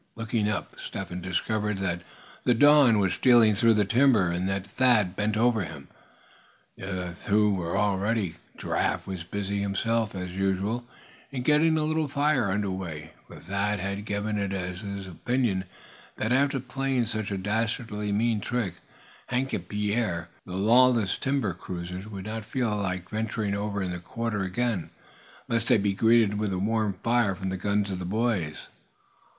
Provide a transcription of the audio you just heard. Looking up, Step Hen discovered that the dawn was stealing through the timber, and that Thad bent over him. The other two were already astir. Giraffe was busying himself, as usual, in getting a little fire underway; for Thad had given it as his opinion that after playing such a dastardly mean trick, Hank and Pierre, the lawless timber cruisers would not feel like venturing over in this quarter again, lest they be greeted with a warm fire from the guns of the boys.